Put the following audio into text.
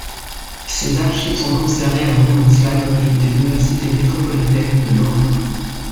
Ses archives sont conservées à la Women's Library, de l'université métropolitaine de Londres.